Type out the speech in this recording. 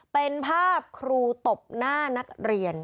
เป็นภาพครูตบหน้านักเรียน